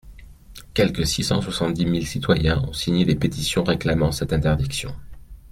Quelque six cent soixante-dix mille citoyens ont signé des pétitions réclamant cette interdiction.